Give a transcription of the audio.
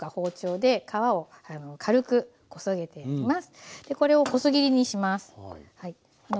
でこれを細切りにします。